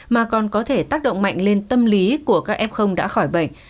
mà còn có thể tác động mạnh lên tâm lý của các f đã khỏi bệnh